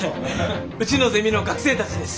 うちのゼミの学生たちです。